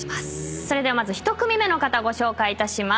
ではまず１組目の方ご紹介いたします。